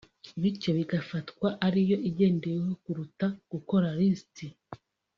bityo bigafatwa ariyo igendeweho kuruta gukora lisiti